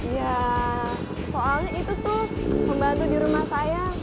ya soalnya itu tuh membantu di rumah saya